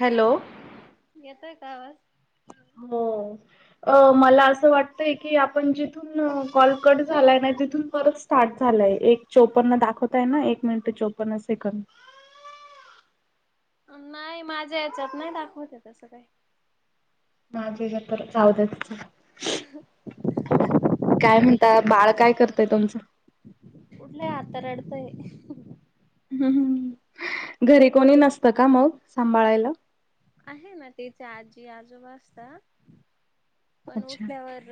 Hello येतोय का आवाज हो अ मला असं वाटतय की आपण जिथू कून कॉल कट झालाय ना तिथून परत स्टार्ट झालाय एक चोपन्न दाखवताय ना एक मिनट चोपन्न पण सेकन अं नाय माझ्या याच्यात नाय दाखवते तसं काही [unintelligible] [inaudible] काय म्हणता बाळ काय करतंय तुमचं? [inaudible] उठलंय आता रडतंय हम हम घरी कोणी नसतं का मग सांभाळायला आहे ना त्याचे आजी आजोबा असता पण अच्छा उठल्यावर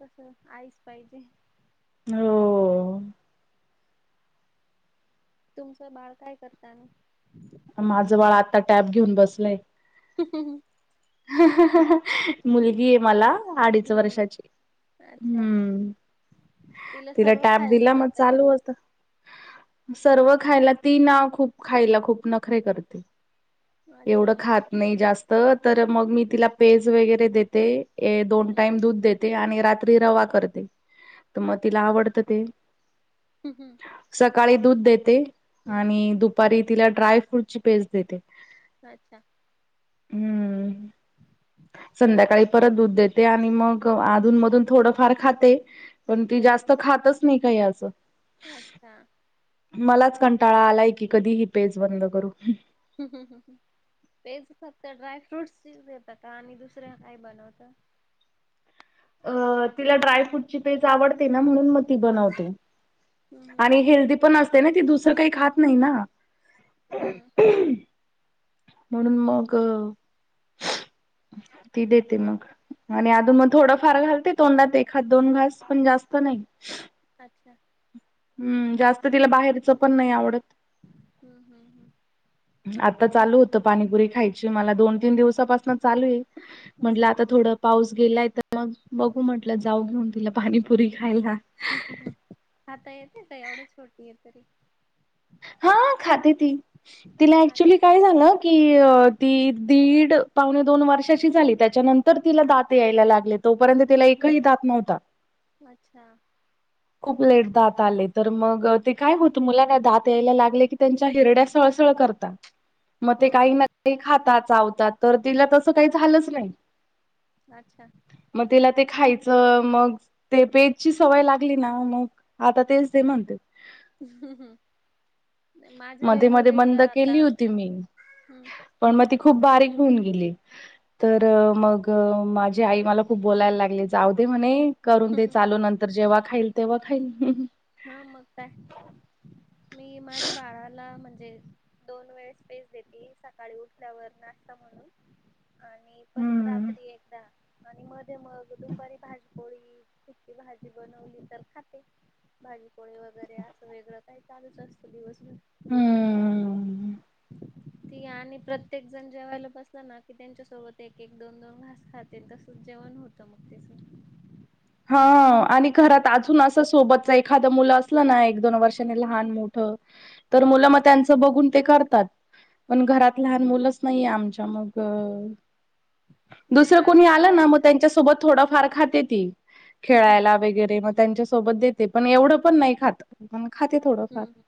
कस आईच पाहिजे. हो तुमचं बाळ काय करता आणि माझं बाळ आत्ता टॅब घेऊन बसलंय. [inaudible] [inaudible] मुलगीए मला अडीच हम्म वर्षाची अच्छा. हम्म तिला सर्व टॅब खायला दिला मग देता का चालू होत सर्व खायला ती ना खूप खायला खूप नखरे करते. एवढं अच्छा मग खात नाही जास्त तर मग मी तिला पेज वगैरे देते. ए दोन हम्म टाईम दूध देते आणि रात्री रवा करते. त म तिला आवडतं ते हम् हम् सकाळी दूध देते आणि दुपारी तिला ड्राय फ्रूटची पेस्ट देते. अच्छा हम्म संध्याकाळी परत दूध देते आणि मग आधून मधून थोडंफार खाते. पण ती हम्म जास्त खातच नाही काही असं. अच्छा मलाच कंटाळा आलाय की कधीही पेज बंद करू. पज फक्त ड्राय फ्रूट्स येत का आणि दुसर्या काय बनवतं. अ तिला ड्राय फ्रूटची तेेज आवडते ना म्हणून मग ती बनवते. हम्म आणि हेल्दी पण असते ना ती दुसरं काही खात नाही ना. हम्म म्हणून मग. ती देते मग आणि हम्म आधुन मग थोड. फार घालते तोंडात ए हात दोन घास पण जास्त नाही. [unintelligible] हम्म जास्त तिला बाहेरचं पण नाही आवडत. [unintelligible] आता चालू होत पाणीपुरी खायची मला दोन तीन दिवस. चालू आहे म्हटलं आता हम्म थोड पाऊस गेलाय तर. मग बघू म्हटलं जाऊ घेऊन तिला पाणीपुरी खायला. खाता येते का एवढं छोटी आहे तरी मग खाते ती. तिला ऍक्च्युली काय झाांग की ती दीड पावणे दोन वर्षाची झाली त्याच्यानंतर तर तिला दात यायला लागले तोपर्यंत तिला हम्म एकही दात नव्हता. अच्छा [unintelligible] खूप लेट दात आले तर मग ते काय होत मुला ना दात ला लागले की त्यांच्या हिरड्या सळसळ करतात मग हो ते काही ना काही खातात चावतात तर तिला हम्म तसं काही झालंच नाही. अच्छा मग तिला ते खायचं मग ते पेजची सवय लागली ना मग आता तेच ते म्हणते हम मध्ये मध्ये बंद आता केली होती मी हम्म पण मग ती खूप बारीक होऊन गेली. तर मग माझी आई मला खूप बोलायला लागली जाऊ दे म्हणे. करून दे चालू नंतर जेव्हा खाईल तेव्हा खाईल. हा मग काय मी माझ्या बाळाला म्हणजे दोन वेळ स्पेज देते सकाळी उठल्यावर नाश्ता म्हणून आणि परत हम्म. रात्री एकदा आणि मध्ये मग दुपारी भाजी पोळी फीकी भाजी बनवली तर खाते. भाजी, पोळी वगैरे असं वेगळं काही चालूच असतं दिवसभर. हम्म. ती आणि प्रत्येक जण जेवायला बसला ना की त्यांच्यासोबत एक एक दोन दोन घास खा ते तसंच जेवण होतं मग तस. हा आणि घरात अजून असं सोबतच एखाद मुलं असलं ना एक दोन वर्षाने लहान मोठ. मुलं मग त्यांच बघून ते करतात हम्म पण हम्म घरात. लहान मुलंच नाहीये आमच्या मग अ नाही दुसरं कोणी आमच्या आलं पण ना मग त्यांच्यासोबत थोडाफार खाते ती. हम्म हम्म खेळायला वगैरे मग त्यांच्यासोबत देते पण एवढं पण नाही खात. मग खाते थोडंफार हम्म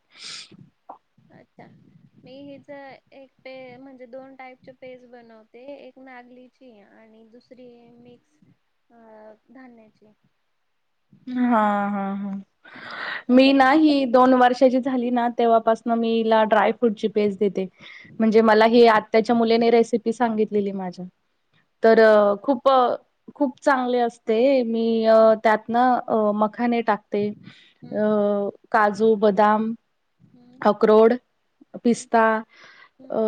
अच्छा मी हिच एक पे म्हणजे दोन टाईपचे पेज बनवतो. ते एक नागलीची आणि दुसरी मिक्स अ धान्याची हा, हा, हा हा मी तर ना हम्म ही दोन वर्षाची झाली ना. तेव्हापासन मी हीला ड्राय फूटची पेज देते. म्हणजे हम्म मला ही आत्याच्या मुलेने रेसिपी सांगितलेली माझ्या. तर कशी खूप बनवते खूप चांगले असते. मी हम्म त्यात न अ मखाने टाकते. अ काजू, बदाम हम्म आक्रोड, हम्म पिस्ता, हम्म अ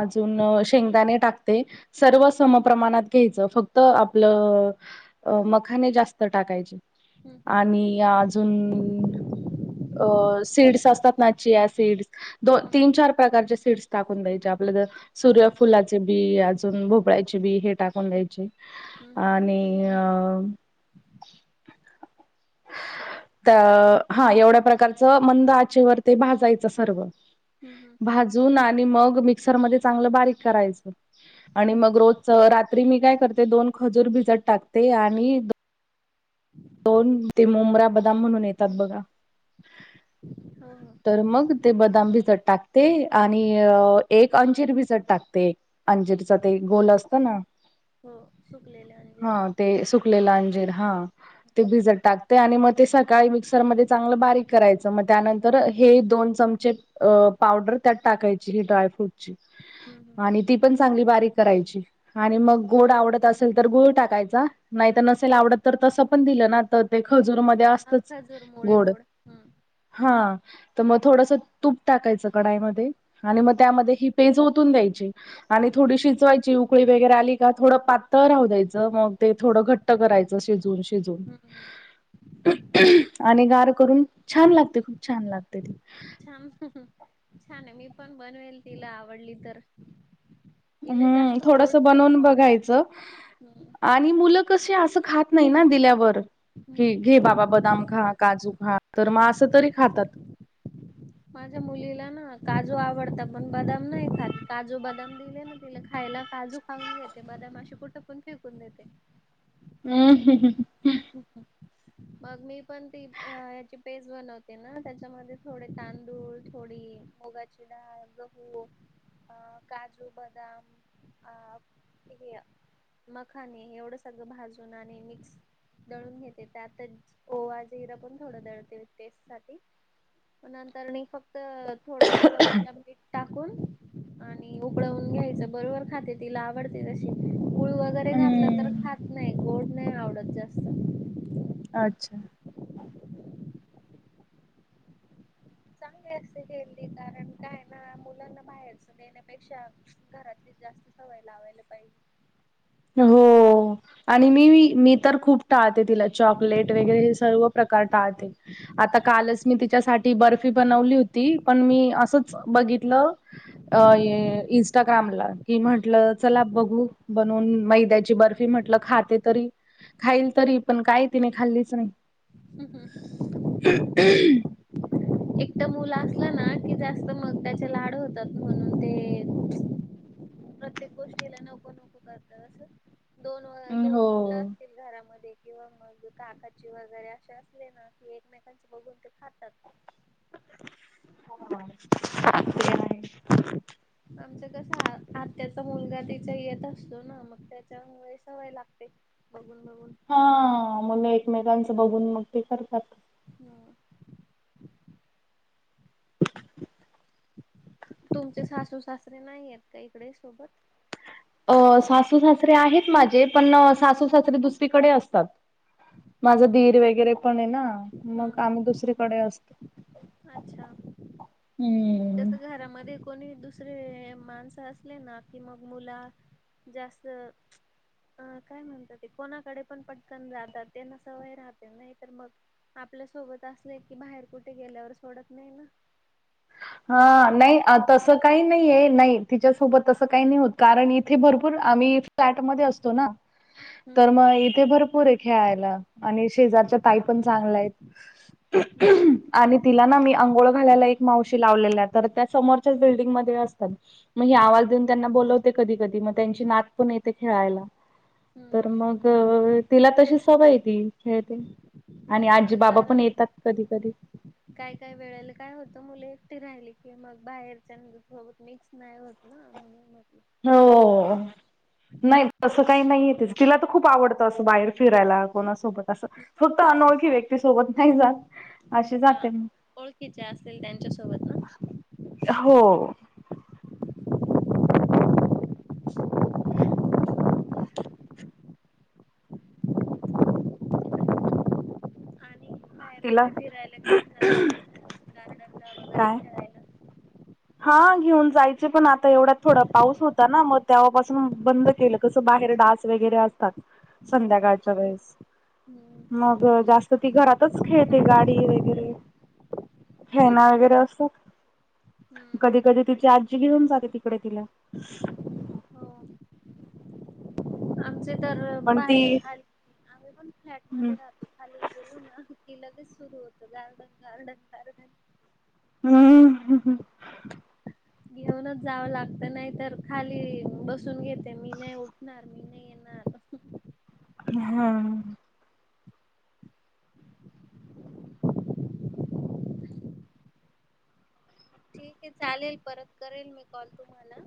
आजून शेंगदाणे टाकते. सर्व समप्रमाणात घ्यायचं. फक्त आपलं अ मखाने जास्त टाकायचे. हम्म हम्म आणि आजून अ सीड्स असतात ना. चिया सीड्स दोन, हम्म तीन, चार प्रकारचे सीड्स टाकून द्या यचे. आपल्या त्या हम्म हम्म सूर्यफुलाचे बी, आजून भोपळायचे बी, हे टाकून द्यायचे. हम्म हम्म आणि अ अ हा एवढ्या प्रकारचं मंद आचेवर ते भाजायचं सर्व. हम्म, हम्म. भाजून आणि मग मिक्सर मधे चांगलं बारीक करायच. आणि हम्म मग रोज चं. रात्री मी काय करते. दोन खजूर भिजत टाकते आणि [inaudible] दोन ते मुमरा बदाम म्हणून हम्म येतात बघा. हो हो तर मग ते बदाम भिजत टाकते. आणि एक अंजिर भिजत टाकते. अंजिरच ते गोल असत ना. हो सुकलेले ह. अंजीर ते सुकलेल अंजिर हा. ते भिजत टाकते. आणि म ते सकाळी मिक्सरमध्ये चांगलं बारीक करायचं. म त्यानंतर हे दोन चमचे अ पावडर त्यात टाकायची ही ड्रायफ्रूट ची. हम्म आणि ती पण चांगली बारीक करायची. आणि हम्म मग गोड आवडत असेल तर गुळ टाकायचा. नाही त हम्म नसेल आवडत तर तस पण दिलं ना तर ते खजूर म ध्ये हा आसतच खजूर मुळे गोड. हम्म हा, त म थोडस तूप टाकायचं कडईमध्ये. आणि हम्म मग त्यामध्ये हि पेज ओतून द्यायची. आणि थोडी शिजवायची. उकळी वैगेरी आली का थोड पा त राहू द्यायचं. मग ते थोडं घट्ट करायचं. शिजवून शिजवून. हम्म हम्म आणि गार करून छान लागते. खूप छान लागते ती. छान, छाने. मी पण बनवेल तिला आवडली तर. तिला हम्म, जास्त थोडस गोड नाही बनवून आवडत बघायचं. हम्म आणि मुलं कशी, असं खात नाही ना दिल्यावर. की हम्म घे बाबा बदाम खा, काजू खा, तर म आसं तरी खातात. माझ्या मुलीला ना काजू आवडत. पण बदाम नाही खात. काजू बदाम दिले ना तिला खायला काजू खाऊन घेते. बदाम आशे कुठपण फेकून देते. अम्म [unintelligible] मग मी पण ती हाची पेज बनवते ना. त्याच्यामध्ये थोडे तांदूळ, थोडी मुगाची डाळ, गहू अ काजू, बदम अ हे मखाने. एवढं सगळं भाजून आणि मिक्स दळून घेते. त्यातच ओवा, जिरं पण थोडं दळते. टेस्ट साठी. नंतरनी फक्त थोडस चवीला मीठ टाकून आणि उकळवून घ्यायचं. बरोबर खाते. तिला आवडते तशी. गूळ जरी घातला तर हम्म खात नाही. गोड नाही आवडत जास्त. आच्छा. चांगली असते हेल्दी. कारण काये ना, मुलांना बाहेरच देण्यापेक्षा घरातली जास्त सवय लावायला पाहिजे. हो आणि मी मी तर खूप टाळते तिला चॉकलेट वगैरे हे सर्व प्रकार टाळते आता कालच मी तिच्यासाठी बर्फी बनवली होती पण मी असंच बघितलं अ इंस्टाग्रामला कि म्हटलं चला बघू बनवून मैद्याची बर्फी म्हटलं खाते तरी खायीन हम्म तरी पण काय तिने खाल्लीच नाही हम्म [inaudible] एकटं मुलं असलं ना की जास्त मग त्याचे लाड होतात म्हणून ते प्रत्येक गोष्टीला नको नको करत अस दोन दोन मुलं हो. असले की घरामध्ये किंवा मग काकाचे वगैरे अशे असले ना की एकमेकांचे बघून ते खातात हा [inaudible] आमचं कसं आत्याचा मुलगा तिच्या येत असतो ना मग त्याच्यामुळे सवय लागते. बघून बघून हा मुलं एकमेकांचं बघून मग ते करतात. हम्म तुमचे सासू सासरे नाहीयत का इकडे सोबत? अ सासू सासरे आहेत माझे पण सासू सासरे दुसरीकडे असतात. माझा हम्म दीर वगैरे पणय ना हम्म मग हम्म. आम्ही दुसरीकडे असतो हम्म जसं घरामध्ये कोणी दुसरे माणसं असले ना की मग मुला जास्त अ काय म्हणतात ते कोणाकडे पण पटकन जातात त्यांना सवय राहते नाही तर मग आपल्यासोबत असलेय की बाहेर कुठे गेल्यावर सोडत नाही ना? तसं हा होतं नाही का तुमचं पण तसं काही नाही नाही तिच्यासोबत तसं काही नाही होत कारण इथे भरपूर आम्ही फ्लॅट मध्ये असतो ना हम्म तर मग इथे भर पूरय खेळायला आणि शेजारच्या ताई हम्म पण हम्म चांगल्यात हम्म [inaudible] आणि तिला ना मी आंघोळ घालायला एक माव शी लावलेल्यात तर त्या समोरच्याच बिल्डंगमध्ये असतात. म ही हम्म आवाज देऊन त्यांना बोलवते कधी कधी मग त्यांची नात पण येते खेळायला तर हम्म हम्म मग तिला तशी सवय ती खेळते. आणि आजी हा बाबा पण कारण येतात कधी कधी काय काय वेळेला काय होत मुलं एकटे राहिली की मग बाहेरच्या सोबत मिक्स नाय होत ना म्हणून म्हटलं हो नाही तसं काही नाहीय तिचं तिला तर खूप आवडत तसं बाहेर फिरायला कोणासोबत असं फक्त अनोळखी व्यक्ती सोबत नाही जात. अशी हा जाते मी. ओळखीच्या असतील त्यांच्यासोबत ना? हो आणि बाहेर तिला कुठे फिरायला घेऊन जात होती का गार्डन ला वगैरे काय? खेळाय हा घेऊन जायचे पण आता एवढ्यात थोडा पाऊस होता ना मग तेव्हापासून बंद केलं कस बाहेर डास वगैरे असतात हो संध्याकाळच्या वेळेस हम्म मग जास्त ती घरातच खेळते गाडी वगैरे खेळना वगैरे असतात हम्म कधी कधी तिची आजी घेऊन जाते तिकडे तिला हो आमचे तर पण ती बाहेर खाली आम्ही पण हम्म फ्लॅटमध्ये राहतो खाली गेलो ना की लगेच सुरू होतं गार्डन गार्डन गार्डन हा हम्म, हम्म घेऊनच जावं लागत नाही तर खाली बसून घेते मी नाही उठणार मी नाही येणार [inaudible] णार हं हां [unintelligible] ठीक आहे चालेल परत करेल मी कॉल तुम्हाला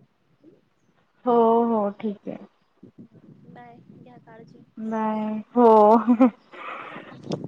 हो हो ठीक आहे. बाय घ्या काळजी नाही हो ह [inaudible]